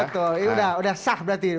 betul udah sah berarti